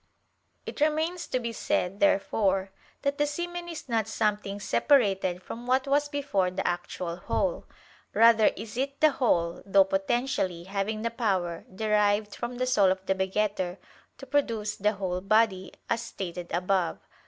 It remains to be said, therefore, that the semen is not something separated from what was before the actual whole; rather is it the whole, though potentially, having the power, derived from the soul of the begetter, to produce the whole body, as stated above (A.